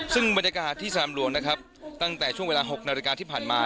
ซึ่งบรรยากาศที่สนามหลวงนะครับตั้งแต่ช่วงเวลา๖นาฬิกาที่ผ่านมา